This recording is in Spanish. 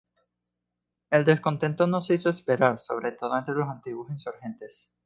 El descontento no se hizo esperar, sobre todo entre los antiguos insurgentes.